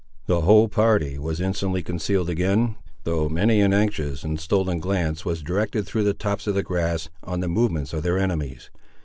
The whole party was instantly concealed again, though many an anxious and stolen glance was directed through the tops of the grass, on the movements of their enemies.